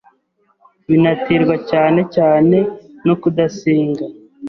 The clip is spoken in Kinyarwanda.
Binaterwa cyane cyane no kudasenga